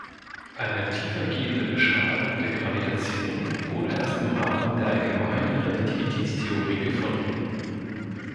Eine tiefer gehende Beschreibung der Gravitation wurde erst im Rahmen der allgemeinen Relativitätstheorie gefunden.